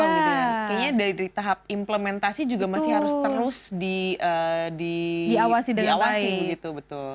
kayaknya dari tahap implementasi juga masih harus terus diawasi begitu